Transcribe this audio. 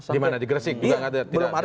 di gersik juga tidak ada